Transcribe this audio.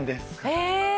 へえ！